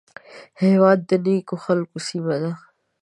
هېواد د نیکو خلکو سیمه ده